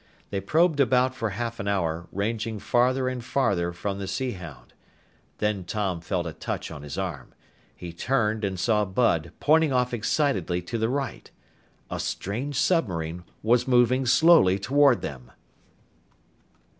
They probed about for half an hour, ranging farther and farther from the Sea Hound. Then Tom felt a touch on his arm. He turned and saw Bud pointing off excitedly to the right. A strange submarine was moving slowly toward them!